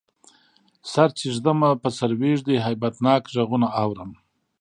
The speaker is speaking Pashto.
سر چی ږدمه په سر ویږدی، هیبتناک غږونه اورم